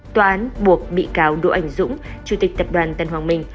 tòa án buộc bị cáo đỗ anh dũng chủ tịch tập đoàn tân hoàng minh